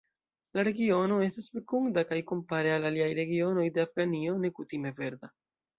La regiono estas fekunda kaj kompare al aliaj regionoj de Afganio nekutime verda.